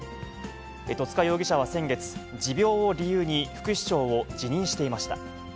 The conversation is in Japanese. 戸塚容疑者は先月、持病を理由に副市長を辞任していました。